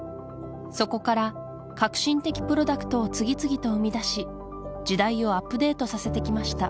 そこから革新的プロダクトを次々と生み出し時代をアップデートさせて来ました